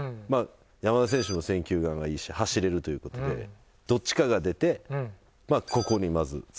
山田選手も選球眼がいいし走れるという事でどっちかが出てここにまずつなぐ。